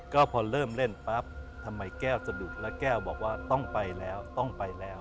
ก็พอเริ่มเล่นปั๊บทำไมแก้วสะดุดแล้วแก้วบอกว่าต้องไปแล้วต้องไปแล้ว